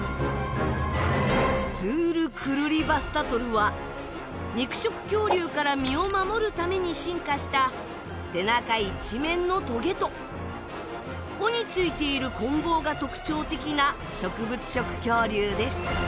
ズール・クルリヴァスタトルは肉食恐竜から身を守るために進化した背中一面のトゲと尾についているこん棒が特徴的な植物食恐竜です。